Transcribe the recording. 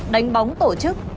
đánh bóng tổ chức